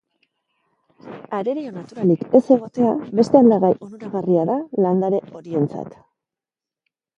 Arerio naturalik ez egotea beste aldagai onuragarria da landare horientzat.